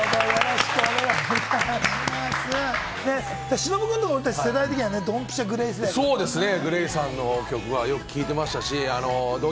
忍君とか、俺たち世代的にドンピシャＧＬＡＹ世代ですね？